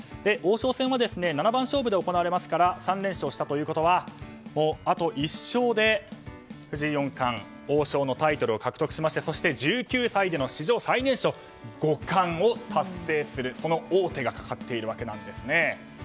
王将戦は七番勝負で行われますから３連勝したということはあと１勝で藤井四冠王将のタイトルを獲得しましてそして１９歳での史上最年少で五冠を達成する、その王手がかかっているわけなんです。